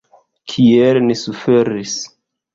Kiel ni suferis!